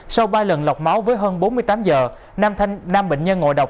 sau ba lần lọc máu với hơn bốn mươi tám giờ nam bệnh nhân ngồi độc